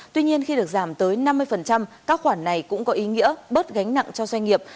tuy nhiên khi được giảm tới năm mươi các khoản này cũng có ý nghĩa bớt gánh nặng cho doanh nghiệp